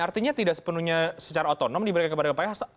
artinya tidak sepenuhnya secara otonom diberikan kepada kepala pahlawan